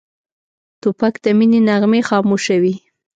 توپک د مینې نغمې خاموشوي.